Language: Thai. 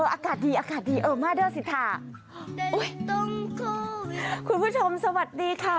อากาศดีอากาศดีเออมาเด้อสิท่าคุณผู้ชมสวัสดีค่ะ